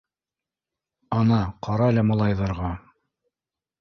Ана, ҡарале малайҙарға.